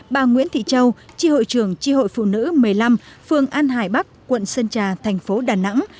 bà nguyễn thị châu chi hội phụ nữ một mươi năm phường an hải bắc quận sơn trà thành phố đà nẵng